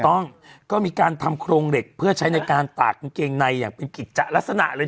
ต้องก็มีการทำโครงเหล็กเพื่อใช้ในการตากกางเกงในอย่างเป็นกิจจะลักษณะเลย